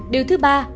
điều thứ ba